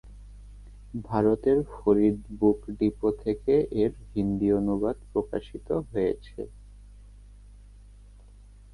ভারতের Farid book depot থেকে এর হিন্দি অনুবাদ প্রকাশিত হয়েছে।